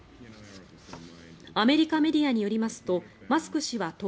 アメリカメディアによりますとマスク氏は１０日